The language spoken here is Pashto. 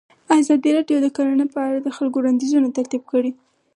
ازادي راډیو د کرهنه په اړه د خلکو وړاندیزونه ترتیب کړي.